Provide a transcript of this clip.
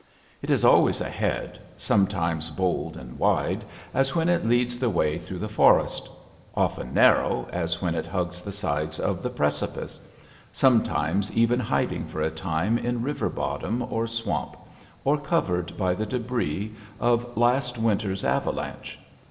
It is always ahead, sometimes bold and wide, as when it leads the way through the forest; often narrow, as when it hugs the sides of the precipice; sometimes even hiding for a time in river bottom or swamp, or covered by the débris of last winter's avalanche.